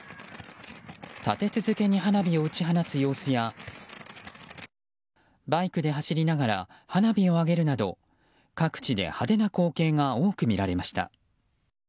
立て続けに花火を打ち放つ様子やバイクで走りながら花火を上げるなど各地で派手な光景が多くみられました。